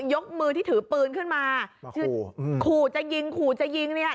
ยกมือที่ถือปืนขึ้นมาขู่จะยิงขู่จะยิงเนี่ย